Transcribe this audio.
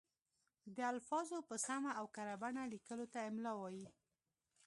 د الفاظو په سمه او کره بڼه لیکلو ته املاء وايي.